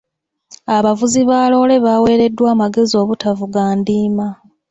Abavuzi ba loole baaweereddwa amagezi obutavuga ndiima.